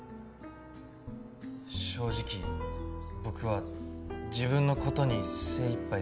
正直僕は自分の事に精いっぱいで。